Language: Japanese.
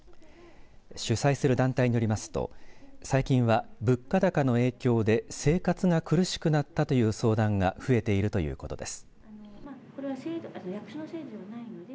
主催する団体によりますと最近は物価高の影響で生活が苦しくなったという相談が増えているということです。